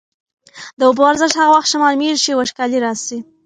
د اوبو ارزښت هغه وخت ښه معلومېږي چي وچکالي راسي.